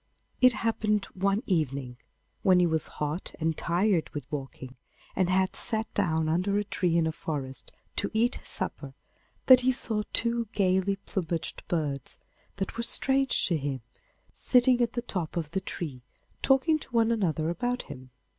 It happened one evening, when he was hot and tired with walking, and had sat down under a tree in a forest to eat his supper, that he saw two gaily plumaged birds, that were strange to him, sitting at the top of the tree talking to one another about him.